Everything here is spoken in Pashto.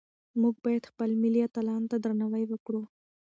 موږ باید خپل ملي اتلانو ته درناوی وکړو.